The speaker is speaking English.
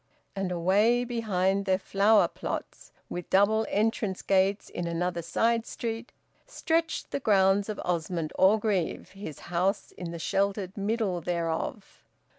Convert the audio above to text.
And away behind their flower plots, with double entrance gates in another side street, stretched the grounds of Osmond Orgreave, his house in the sheltered middle thereof.